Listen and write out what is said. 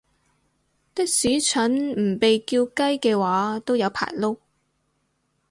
的士陳唔被叫雞嘅話都有排撈